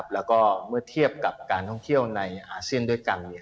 แล้วก็เมื่อเทียบกับการท่องเที่ยวในอาเซียนด้วยกัน